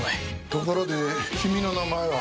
ところで君の名前は？